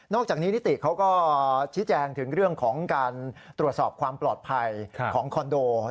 จากนี้นิติเขาก็ชี้แจงถึงเรื่องของการตรวจสอบความปลอดภัยของคอนโด